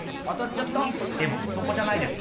でもそこじゃないです。